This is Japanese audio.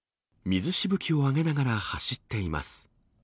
水しぶきを上げながら走っています。